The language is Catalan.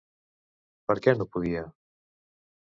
Per què no podia?